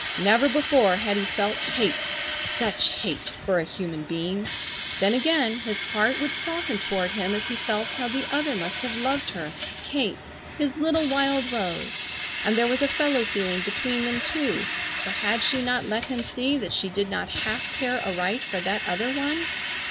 Never before had he felt hate, such hate, for a human being. Then again his heart would soften toward him as he felt how the other must have loved her, Kate, his little wild rose! and there was a fellow feeling between them too, for had she not let him see that she did not half care aright for that other one?